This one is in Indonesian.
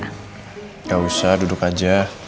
gak usah duduk aja